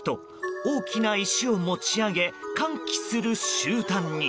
大きな石を持ち上げ歓喜する集団に。